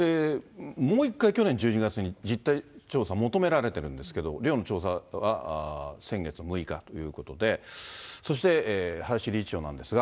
もう一回去年１２月に実態調査求められてるんですけれども、寮の調査が先月６日ということで、そして林理事長なんですが。